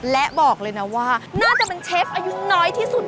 และบอกเลยนะว่าน่าจะเป็นเชฟอายุน้อยที่สุด